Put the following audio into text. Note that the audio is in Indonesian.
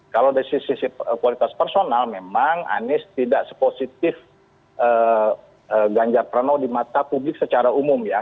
kalau dari sisi kualitas personal memang anies tidak sepositif ganjar pranowo di mata publik secara umum ya